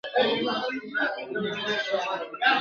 له چا ټوله نړۍ پاته له چا یو قلم پاتیږي !.